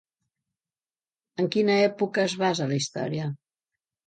En quina època es basa la història?